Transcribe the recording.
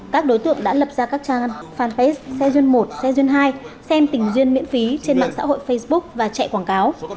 các đối tượng đã lập ra các trang fanpage session một session hai xem tình duyên miễn phí trên mạng xã hội facebook và chạy quảng cáo